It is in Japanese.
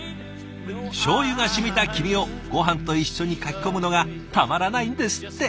醤油が染みた黄身をごはんと一緒にかき込むのがたまらないんですって。